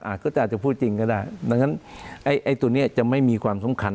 ก็จะอาจจะพูดจริงก็ได้ดังนั้นไอ้ตัวนี้จะไม่มีความสำคัญ